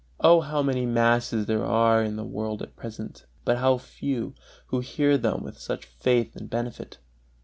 Oh, how many masses there are in the world at present! but how few who hear them with such faith and benefit!